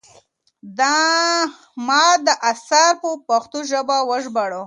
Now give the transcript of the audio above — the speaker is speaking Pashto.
ما دا اثر په پښتو ژبه وژباړه.